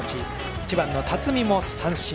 １番の辰己も三振。